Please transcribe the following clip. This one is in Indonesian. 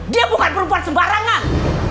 dia bukan perempuan sembarangan